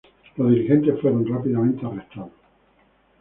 Los dirigentes fueron rápidamente arrestados.